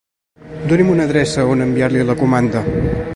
Doni'm una adreça a on enviar-li la comanda.